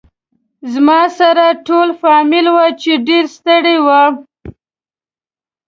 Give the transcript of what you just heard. زما سره ټول فامیل و چې ډېر ستړي و.